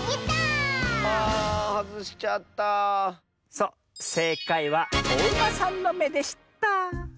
そうせいかいはおウマさんのめでした。